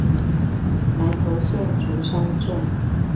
南投縣竹山鎮